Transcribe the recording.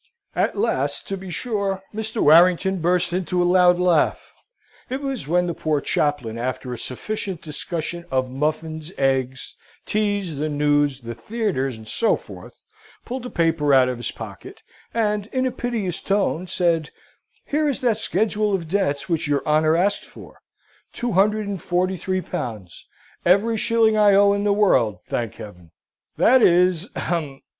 At last, to be sure, Mr. Warrington burst into a loud laugh. It was when the poor chaplain, after a sufficient discussion of muffins, eggs, tea, the news, the theatres, and so forth, pulled a paper out of his pocket and in a piteous tone said, "Here is that schedule of debts which your honour asked for two hundred and forty three pounds every shilling I owe in the world, thank Heaven! that is ahem!